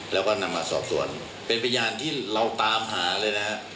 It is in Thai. แล้วก็นำมาสอบสวนเป็นพยานที่เราตามหาเลยนะฮะ